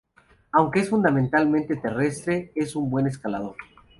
Aunque es fundamentalmente terrestre, es un buen escalador.